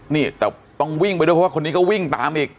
นี่แต่ต้องวิ่งไปด้วยเพราะว่าคนนี้ก็วิ่งตามอีก